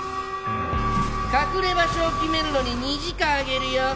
隠れ場所を決めるのに２時間あげるよ。